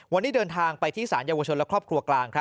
วันนี้เดินทางไปที่สารเยาวชนและครอบครัวกลาง